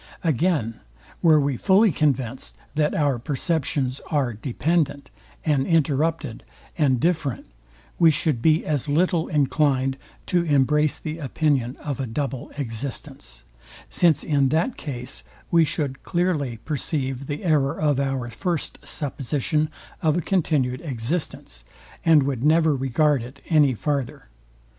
Again, were we fully convinced, that our perceptions are dependent, and interrupted, and different, we should be as little inclined to embrace the opinion of a double existence; since in that case we should clearly perceive the error of our first supposition of a continued existence, and would never regard it any farther.